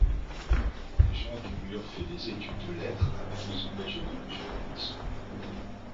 Jean Dumur fait des études de lettres avant de s'engager dans le journalisme.